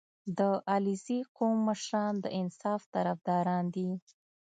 • د علیزي قوم مشران د انصاف طرفداران دي.